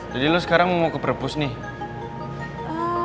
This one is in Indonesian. jadi lo sekarang mau ke perpus nih